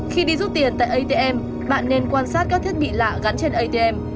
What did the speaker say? khi đi rút tiền tại atm bạn nên quan sát các thiết bị lạ gắn trên atm